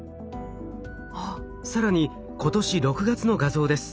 更に今年６月の画像です。